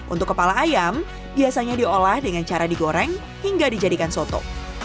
untuk kepala ayam biasanya diolah dengan cara digoreng hingga dijadikan soto